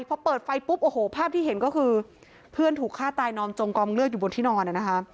พอเปิดไฟปุ๊บโอ้โหภาพที่เห็นก็คือเพื่อนถูกฆ่าตายนอนจมกองเลือดอยู่บนที่นอนนะคะ